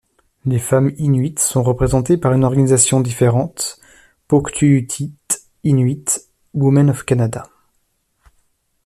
Les femmes Inuits sont représentées par une organisation différente, Pauktuutit Inuit Women of Canada.